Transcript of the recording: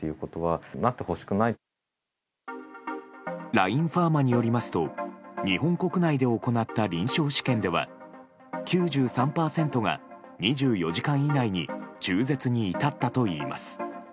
ラインファーマによりますと日本国内で行った臨床試験では９３％が２４時間以内に中絶に至ったといいます。